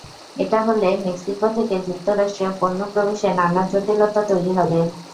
এটা হলে মেক্সিকো থেকে যুক্তরাষ্ট্রে পণ্য প্রবেশে নানা জটিলতা তৈরি হবে।